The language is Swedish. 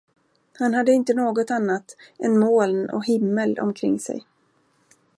Han hade inte något annat än moln och himmel omkring sig.